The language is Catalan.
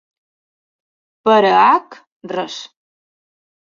Per a H Res.